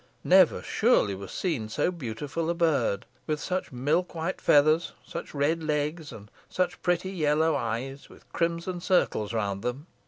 Never, surely, was seen so beautiful a bird with such milkwhite feathers, such red legs, and such pretty yellow eyes, with crimson circles round them!